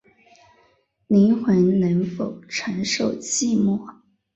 灵魂能否承受寂寞